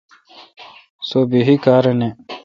سو بحی کار نہ۔